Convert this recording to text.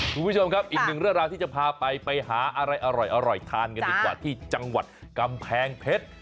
คุณผู้ชมครับอีกหนึ่งเรื่องราวที่จะพาไปไปหาอะไรอร่อยทานกันดีกว่าที่จังหวัดกำแพงเพชร